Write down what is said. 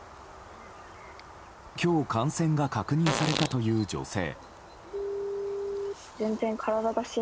今日、感染が確認されたという女性。